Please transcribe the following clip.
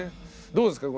どうですか？